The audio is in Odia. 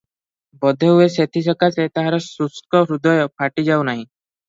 ବୋଧହୁଏ ସେଥିସକାଶେ ତାହାର ଶୁଷ୍କ ହୃଦୟ ଫାଟିଯାଉ ନାହିଁ ।